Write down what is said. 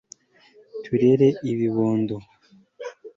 TURERE IBIBONDO